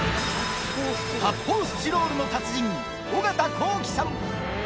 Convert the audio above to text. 発泡スチロールの達人、小形公基さん。